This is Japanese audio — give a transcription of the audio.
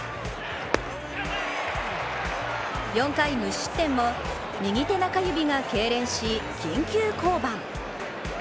４回無失点も、右手中指がけいれんし緊急降板。